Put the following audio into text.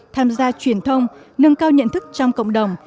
tham gia truyền thông nâng cao nhận thức trong cộng đồng